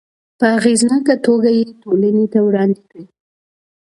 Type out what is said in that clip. په اغیزناکه توګه یې ټولنې ته وړاندې کړي.